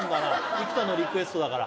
生田のリクエストだから？